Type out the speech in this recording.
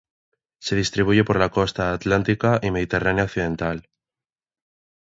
Se distribuye por la costa Atlántica y Mediterránea occidental.